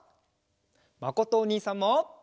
まことおにいさんも。